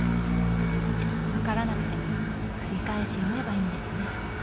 分からなくても繰り返し読めばいいんですね。